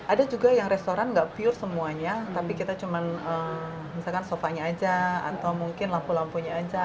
ada juga yang restoran nggak pure semuanya tapi kita cuma misalkan sofanya aja atau mungkin lampu lampunya aja